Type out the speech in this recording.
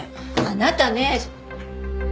あなたね！